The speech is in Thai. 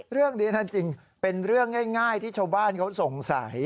เรื่องนี้จริงเป็นเรื่องง่ายที่ชาวบ้านเขาสงสัย